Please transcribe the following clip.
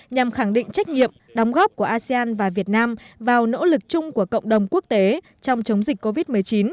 nhằm khẳng định trách nhiệm đóng góp của asean và việt nam vào nỗ lực chung của cộng đồng quốc tế trong chống dịch covid một mươi chín